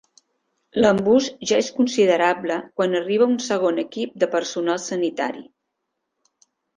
L'embús ja és considerable quan arriba un segon equip de personal sanitari.